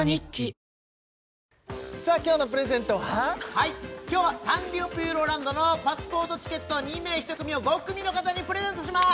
はい今日はサンリオピューロランドのパスポートチケット２名１組を５組の方にプレゼントしまーす